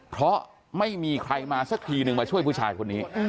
เพราะไม่มีใครมาสักทีนึงมาช่วยผู้ชายคนนี้